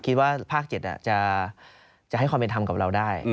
ภาค๗จะให้ความเป็นธรรมกับเราได้